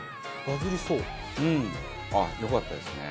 うん。あっよかったですね。